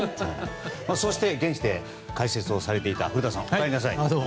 そして現地で解説をされていた古田さん、お帰りなさい。